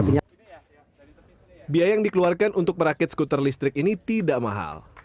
biaya yang dikeluarkan untuk merakit skuter listrik ini tidak mahal